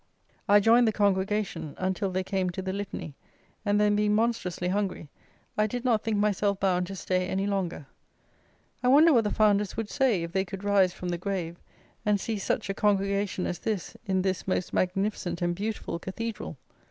I joined the congregation, until they came to the litany; and then, being monstrously hungry, I did not think myself bound to stay any longer. I wonder what the founders would say, if they could rise from the grave, and see such a congregation as this in this most magnificent and beautiful cathedral?